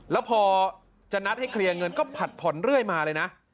แล้วพอจะนัดให้เคลียร์เงินก็ผัดผ่อนเรื่อยมาเลยนะ